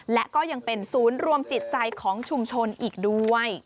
และก็ยังเป็นศูนย์รวมจิตใจของชุมชนอีกด้วย